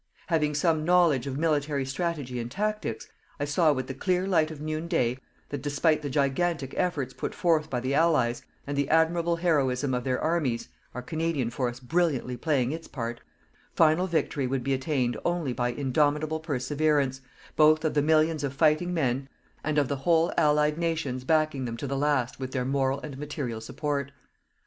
Having some knowledge of military strategy and tactics, I saw with the clear light of noon day that, despite the gigantic efforts put forth by the Allies, and the admirable heroism of their armies our Canadian force brilliantly playing its part final victory would be attained only by indomitable perseverance, both of the millions of fighting men and of the whole Allied nations backing them to the last with their moral and material support.